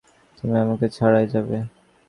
তুমি আমাকে ছাড়াই যাবে?